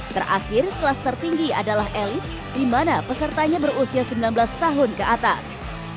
terakhir kelas tertinggi adalah elit di mana pesertanya berusia sembilan belas tahun ke atas